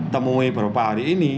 temui beberapa hari ini